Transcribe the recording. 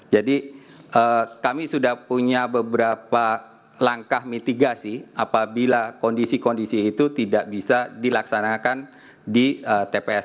jadi kami sudah punya beberapa langkah mitigasi apabila kondisi kondisi itu tidak bisa dilaksanakan di tps